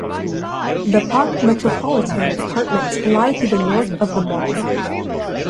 The Parc Metropolitan apartments lie to the north of the mall.